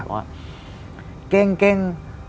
ก็ว่าเก้งเก้ง